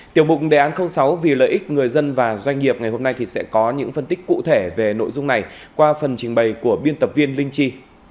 tiểu mục đề án sáu vì lợi ích người dân và doanh nghiệp ngày hôm nay sẽ có những phân tích cụ thể về nội dung này qua phần trình bày của biên tập viên linh chi